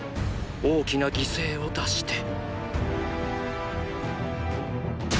大きな犠牲を出して！